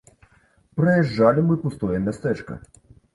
Праязджалі мы пустое мястэчка.